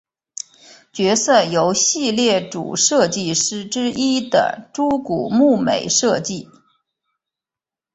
角色由系列主设计师之一的猪股睦美设计。